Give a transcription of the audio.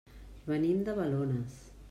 Venim de Balones.